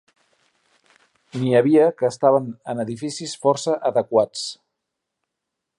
N'hi havia que estaven en edificis força adequats.